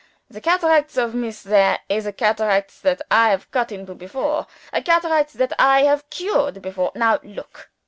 The cataracts of Miss there, is a cataracts that I have cut into before, a cataracts that I have cured before. Now look!"